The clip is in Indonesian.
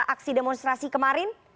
aksi demonstrasi kemarin